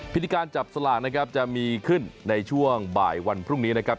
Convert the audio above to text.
พิธีการจับสลากนะครับจะมีขึ้นในช่วงบ่ายวันพรุ่งนี้นะครับ